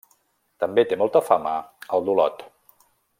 També té molta fama el d'Olot.